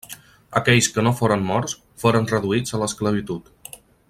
Aquells que no foren morts foren reduïts a l'esclavitud.